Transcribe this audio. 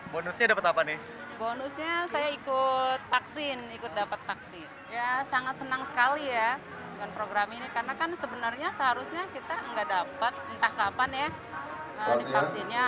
bonusnya dapat apa nih bonusnya saya ikut vaksin ikut dapat vaksin ya sangat senang sekali ya dengan program ini karena kan sebenarnya seharusnya kita nggak dapat entah kapan ya di vaksinnya